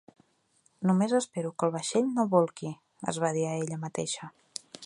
"Només espero que el vaixell no bolqui!" Es va dir a ella mateixa.